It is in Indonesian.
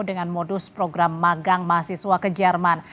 dengan modus program magang mahasiswa ke jerman